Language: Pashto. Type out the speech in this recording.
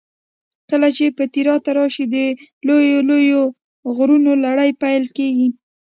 چې کله پیترا ته راشې د لویو لویو غرونو لړۍ پیل کېږي.